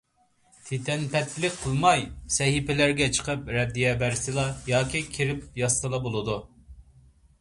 تىتەنپەتىلىك قىلماي، سەھىپىلىرىگە چىقىپ رەددىيە بەرسىلە، ياكى كىرىپ يازسىلا بولىدۇ.